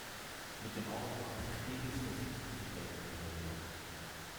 Mit dem Ausbruch des Krieges versiegte diese Geldquelle jedoch.